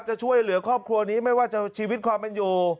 จะช่วยเหลือครอบครัวนี้ไม่ว่าจะชีวิตความเป็นอยู่